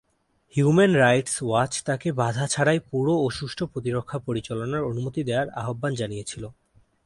Human Rights Watch তাকে বাধা ছাড়াই পুরো ও সুষ্ঠু প্রতিরক্ষা পরিচালনার অনুমতি দেওয়ার আহ্বান জানিয়েছিল।